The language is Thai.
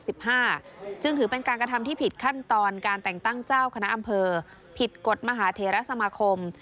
จึงถือเป็นการกระทำที่ผิดขั้นตอนการแต่งตั้งเจ้าคณะอำเภอผิดกฎมหาเทรสมาคม